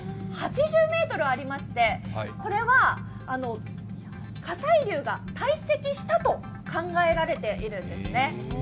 ８０ｍありまして、これは火砕流がたい積したと考えられているんですね。